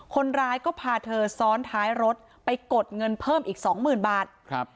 คนร้ายก็พาเธอซ้อนท้ายรถไปกดเงินเพิ่มอีกสองหมื่นบาท